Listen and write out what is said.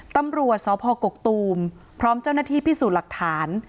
ตำรวจสพกกตูมพร้อมเจ้าหน้าที่พิสูจน์หลักฐาน